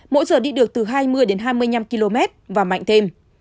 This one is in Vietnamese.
mỗi giờ đi được từ hai mươi đến hai mươi năm km và mạnh thêm